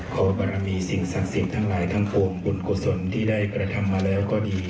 ขอปรมีสิ่งศักดิ์ศิลป์ทั้งรายทั้งปวงบุญกฤษลที่ได้ประทำมาแล้วก็ดี